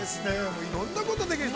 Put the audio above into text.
いろんなことができる。